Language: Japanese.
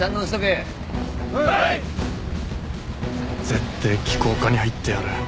絶対機甲科に入ってやる。